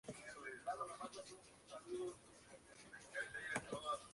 Siete de ellos fueron acusados por revelar información clasificada sin autorización.